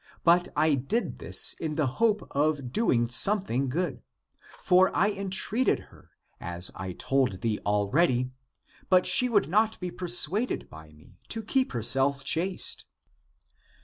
But I did this in the hope of doing something good. For I entreated her, as I told thee already, but she would not be persuaded by me to keep herself chaste."